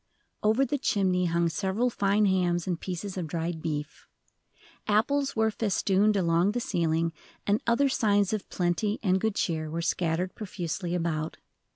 Over the chimney hung several fine hams and pieces of dried beef. Apples were festooned along the ceiling, and other signs of plenty and good cheer were scattered profusely about.